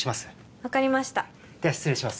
分かりましたでは失礼します